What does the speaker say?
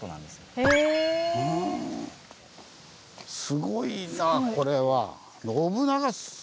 すごいなこれは。